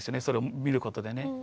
それを見ることでね。